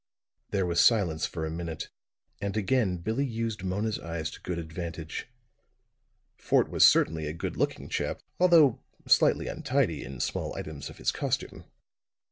There was silence for a minute, and again Billie used Mona's eyes to good advantage. Fort was certainly a good looking chap, although slightly untidy in small items of his costume.